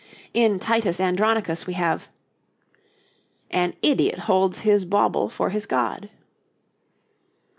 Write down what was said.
In 'Titus Andronicus' we have: 'An idiot holds his bauble for his God.'